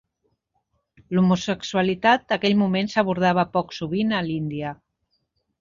L'homosexualitat aquell moment s'abordava poc sovint a l'Índia.